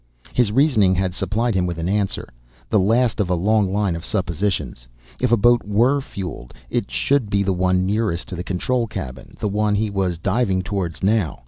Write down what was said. His reasoning had supplied him with an answer, the last of a long line of suppositions. If a boat were fueled, it should be the one nearest to the control cabin. The one he was diving towards now.